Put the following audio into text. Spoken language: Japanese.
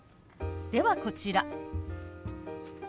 ではこちら。